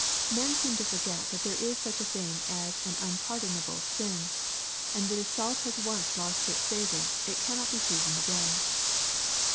Men seem to forget that iJiere is such a thing as an unpardonable sin,— and that if salt has once lost its savor, it cannot be seasoned again.